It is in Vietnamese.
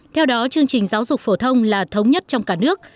theo đó chương trình giáo dục phổ thông là thống nhất trong cả nước